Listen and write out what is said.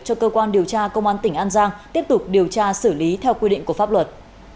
cho cơ quan điều tra công an tỉnh an giang tiếp tục điều tra xử lý theo quy định của pháp luật